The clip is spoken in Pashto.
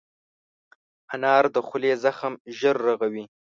انار د خولې زخم ژر رغوي.